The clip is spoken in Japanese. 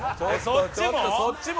そっちも！？